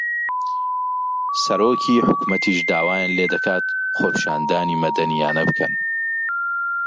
سەرۆکی حکوومەتیش داوایان لێ دەکات خۆپیشاندانی مەدەنییانە بکەن